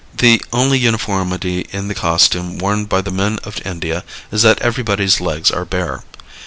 The only uniformity in the costume worn by the men of India is that everybody's legs are bare.